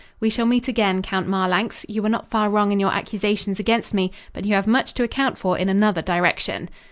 "We shall meet again, Count Marlanx. You were not far wrong in your accusations against me, but you have much to account for in another direction."